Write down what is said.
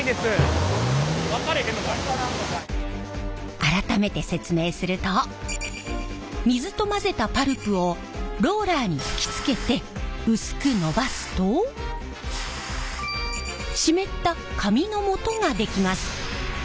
改めて説明すると水と混ぜたパルプをローラーに吹きつけて薄くのばすと湿った紙のもとができます。